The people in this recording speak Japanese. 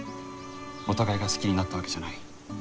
お互いが好きになったわけじゃない。